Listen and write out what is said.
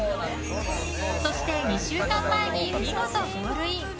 そして２週間前に見事ゴールイン。